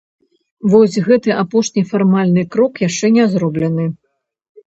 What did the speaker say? Вось гэты апошні фармальны крок яшчэ не зроблены.